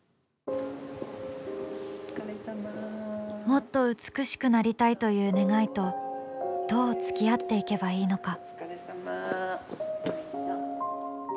もっと美しくなりたいという願いとどうつきあっていけばいいのか。